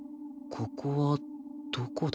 ここはどこだ？